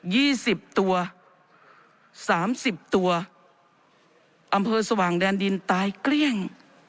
สิบตัวสามสิบตัวอำเภอสว่างแดนดินตายเกลี้ยง